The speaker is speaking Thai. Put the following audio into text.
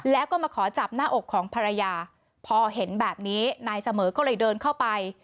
แล้วก็มาขอจับหน้าอกของภรรยาพอเห็นแบบนี้นายเสมอก็เลยเดินเข้าไป